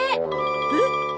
えっ？